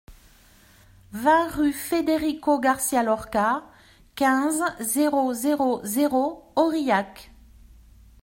vingt rue Federico Garcia Lorca, quinze, zéro zéro zéro, Aurillac